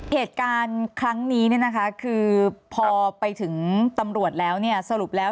เหตุการณ์ครั้งนี้คือพอไปถึงตำรวจแล้วสรุปแล้ว